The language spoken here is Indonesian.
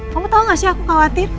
kamu tahu gak sih aku khawatir